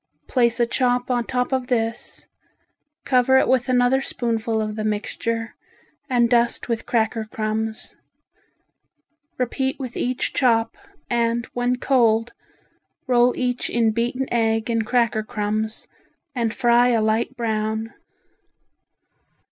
Place a chop on top of this, cover it with another spoonful of the mixture and dust with cracker crumbs. Repeat with each chop, and when cold roll each in beaten egg and cracker crumbs, and fry a light brown.